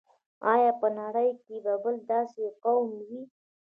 آیا په نړۍ کې به بل داسې قوم وي.